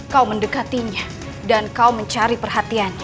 kau mendekatinya dan kau mencari perhatian